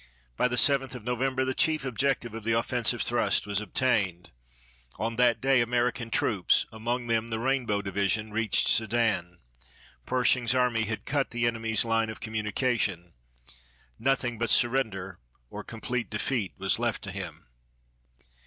By the 7th of November the chief objective of the offensive thrust was obtained. On that day American troops, among them the Rainbow Division, reached Sedan. Pershing's army had cut the enemy's line of communication. Nothing but surrender or complete defeat was left to him.